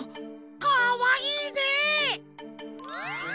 かわいいね！